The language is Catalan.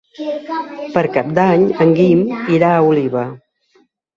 Per Cap d'Any en Guim irà a Oliva.